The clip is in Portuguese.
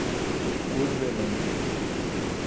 Curvelândia